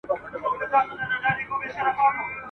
هغه ورځ خبره ورانه د کاروان سي !.